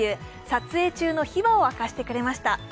撮影中の秘話を明かしてくれました。